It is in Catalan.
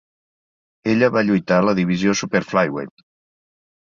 Ella va lluitar a la divisió Super Flyweight.